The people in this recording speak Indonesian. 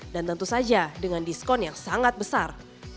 tentu saja dengan diskon yang sangat besar